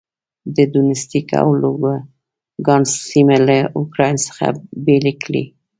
د دونیتسک او لوګانسک سیمې له اوکراین څخه بېلې کړې.